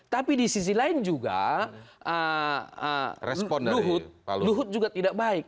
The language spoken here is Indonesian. tapi di sisi lain juga respon luhut juga tidak baik